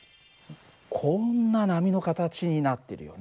こんな波の形になってるよね。